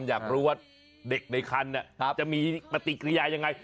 อยากรู้ว่าเด็กในคันจะมีปฏิกิริยายังไง